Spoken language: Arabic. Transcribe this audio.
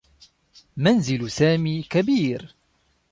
منزل سامي كبير.